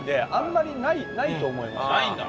ないんだ？